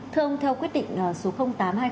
thưa ông theo quyết định số tám hai nghìn hai mươi hai